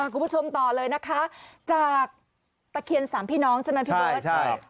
คุณผู้ชมต่อเลยนะคะจากตะเคียนสามพี่น้องใช่ไหมพี่เบิร์ต